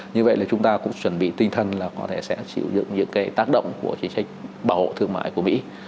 như vậy là chúng ta cũng chuẩn bị tinh thần là có thể sẽ chịu dựng những tác động của chính sách bảo hộ thương mại của mỹ